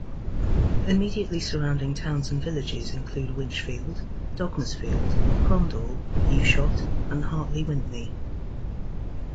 Immediately surrounding towns and villages include Winchfield, Dogmersfield, Crondall, Ewshot, and Hartley Wintney.